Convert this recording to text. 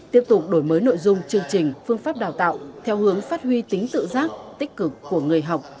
tiếp tục đổi mới nội dung chương trình phương pháp đào tạo theo hướng phát huy tính tự giác tích cực của người học